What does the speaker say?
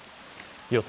予想